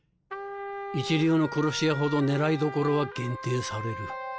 一流の殺し屋ほど狙いどころは限定される。